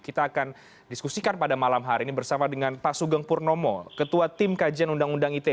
kita akan diskusikan pada malam hari ini bersama dengan pak sugeng purnomo ketua tim kajian undang undang ite